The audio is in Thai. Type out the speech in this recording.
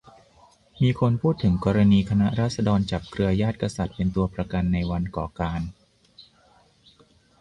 มีคนพูดถึงกรณีคณะราษฎรจับเครือญาติกษัตริย์เป็นตัวประกันในวันก่อการ